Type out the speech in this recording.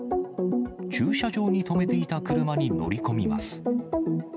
駐車場に止めていた車に乗り込みます。